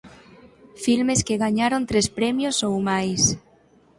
Filmes que gañaron tres premios ou máis.